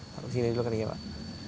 taruh sini dulu kali ya pak